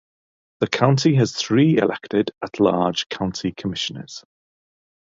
The county has three, elected at large, County Commissioners.